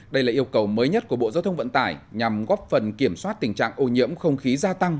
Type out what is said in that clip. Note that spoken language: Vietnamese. đây là yêu cầu mới nhất của bộ giao thông vận tải nhằm góp phần kiểm soát tình trạng ô nhiễm không khí gia tăng